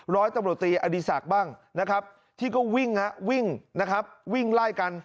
ร้อยตำรวจตีอดีศักดิ์บ้างนะครับที่ก็วิ่งฮะวิ่งนะครับวิ่งไล่กัน